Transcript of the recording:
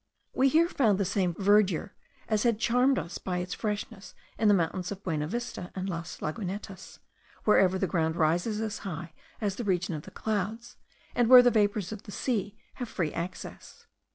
We there found the same verdure as had charmed us by its freshness in the mountains of Buenavista and Las Lagunetas, wherever the ground rises as high as the region of the clouds, and where the vapours of the sea have free access.